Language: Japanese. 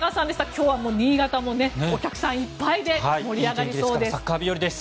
今日は新潟もお客さんいっぱいで盛り上がりそうです。